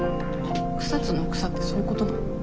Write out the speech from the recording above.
草津の草ってそういうことなの？